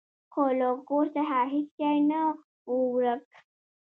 خو له کور څخه هیڅ شی نه و ورک.